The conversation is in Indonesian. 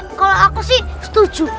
kalau aku sih setuju